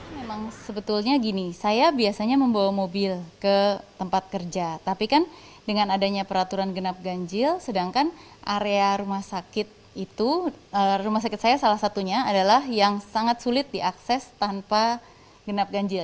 memang sebetulnya gini saya biasanya membawa mobil ke tempat kerja tapi kan dengan adanya peraturan genap ganjil sedangkan area rumah sakit itu rumah sakit saya salah satunya adalah yang sangat sulit diakses tanpa genap ganjil